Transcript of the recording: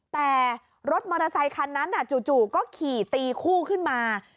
แต่รถมอเตอร์ไซคันนั้นจู่ก็ขี่ตีคู่ขึ้นมา